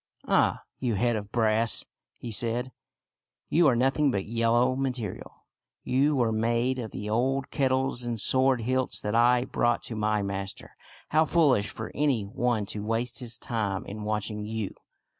" Ah, you head of brass," he said, " you are noth ing but yellow metal. You were made of the old kettles and sword hilts that I brought to my master. How foolish for any one to waste his time in watching you